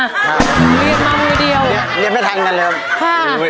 เรียนมามือเดียวเรียนไปทางนั้นเลยครับ